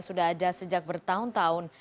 sudah ada sejak bertahun tahun